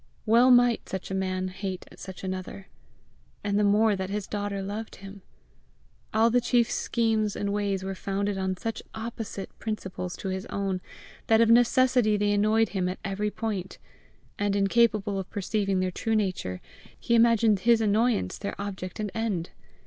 Well might such a man hate such another and the more that his daughter loved him! All the chief's schemes and ways were founded on such opposite principles to his own that of necessity they annoyed him at every point, and, incapable of perceiving their true nature, he imagined his annoyance their object and end.